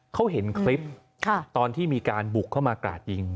เขาเห็นคลิปตอนที่มีการบุกเข้ามากราดยิง